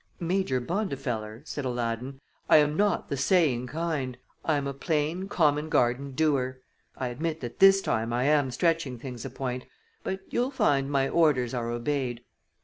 "Major Bondifeller," said Aladdin, "I am not the saying kind. I am a plain, common garden doer. I admit that this time I am stretching things a point, but you'll find my orders are obeyed."